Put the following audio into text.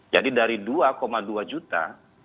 jadi dari dua dua juta